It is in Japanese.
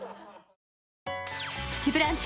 「プチブランチ」